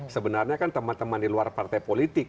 sebenarnya kan teman teman di luar partai politik